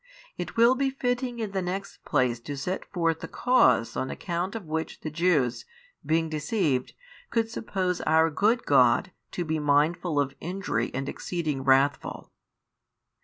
It will be fitting in the next place to set forth the cause on account of which the Jews, being deceived, could suppose our good God to be mindful of injury and exceeding wrathful.